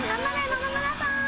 野々村さん。